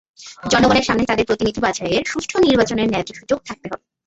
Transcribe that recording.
জনগণের সামনে তাদের প্রতিনিধি বাছাইয়ের সুষ্ঠু নির্বাচনের ন্যায্য সুযোগ থাকতে হবে।